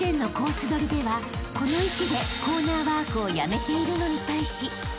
取りではこの位置でコーナーワークをやめているのに対し］